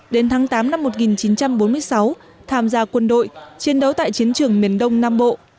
đến tháng tám năm một nghìn chín trăm bốn mươi sáu tham gia quân đội chiến đấu tại chiến trường miền đông nam bộ